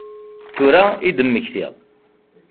Tura i d-mmektiɣ.